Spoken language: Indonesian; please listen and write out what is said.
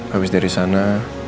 habis dari sana